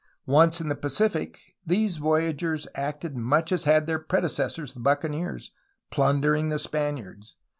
Once in the Pacific, these voyagers acted much as had their predecessors the buccaneers, plundering the Spaniards.